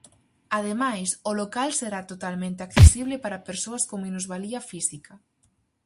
Ademais, o local será totalmente accesible para persoas con minusvalía física.